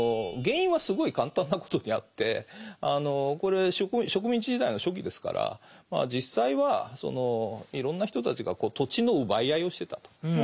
原因はすごい簡単なことにあってこれ植民地時代の初期ですから実際はそのいろんな人たちが土地の奪い合いをしてたと。